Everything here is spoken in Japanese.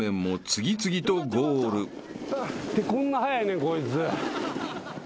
こんな速いねんこいつ。